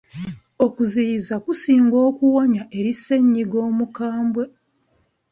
Okuziyiza kusinga okuwonya eri ssenyiga omukambwe.